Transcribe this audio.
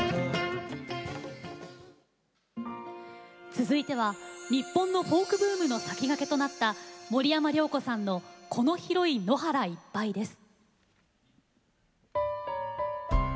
続いては日本のフォークブームの先駆けとなった森山良子さんの「この広い野原いっぱい」です。